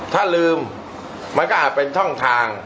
ถ้าลืมมันก็อาจเป็นช่องทาง